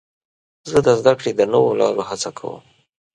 زه د زدهکړې د نوو لارو هڅه کوم.